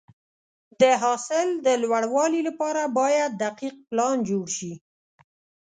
د حاصل د لوړوالي لپاره باید دقیق پلان جوړ شي.